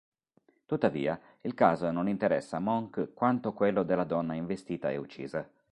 Tuttavia, il caso non interessa a Monk quanto quello della donna investita e uccisa.